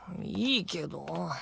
いいけど。